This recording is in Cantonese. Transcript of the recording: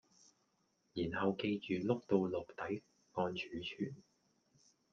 然後記住碌到落底按儲存